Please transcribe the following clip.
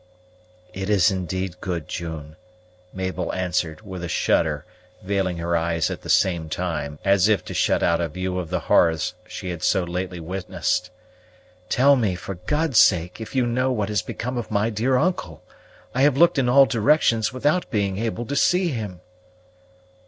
"It is indeed good, June," Mabel answered, with a shudder, veiling her eyes at the same time, as if to shut out a view of the horrors she had so lately witnessed. "Tell me, for God's sake, if you know what has become of my dear uncle! I have looked in all directions without being able to see him."